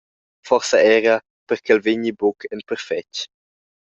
Forsa era per ch’el vegni buc en perfetg.